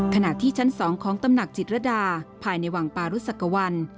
ขณะที่ชั้น๒ของตำหนักจิตรดาภายในวังปารุสักกวัล